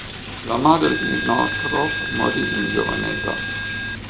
La madre di Northrop morì in giovane età.